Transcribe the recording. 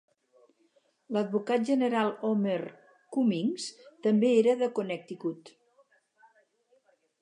L"advocat General Homer Cummings també era de Connecticut.